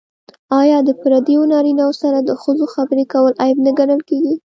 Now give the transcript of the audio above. آیا د پردیو نارینه وو سره د ښځو خبرې کول عیب نه ګڼل کیږي؟